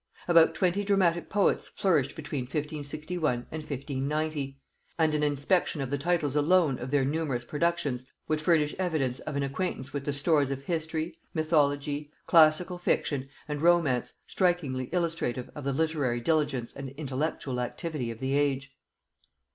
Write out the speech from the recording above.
About twenty dramatic poets flourished between 1561 and 1590; and an inspection of the titles alone of their numerous productions would furnish evidence of an acquaintance with the stores of history, mythology, classical fiction, and romance, strikingly illustrative of the literary diligence and intellectual activity of the age.